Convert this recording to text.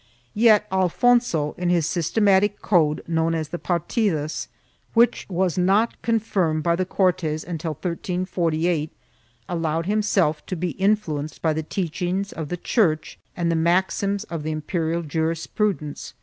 3 Yet Alfonso, in his systematic code known as the Partidas, which was not confirmed by the Cortes until 1348, allowed himself to be influenced by the teach ings of the Church and the maxims of the imperial jurispru dence.